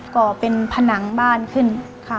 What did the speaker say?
่อเป็นผนังบ้านขึ้นค่ะ